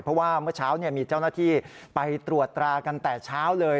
เพราะว่าเมื่อเช้ามีเจ้าหน้าที่ไปตรวจตรากันแต่เช้าเลย